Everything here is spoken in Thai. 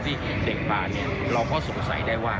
ที่เด็กปลาเราก็สงสัยได้ว่า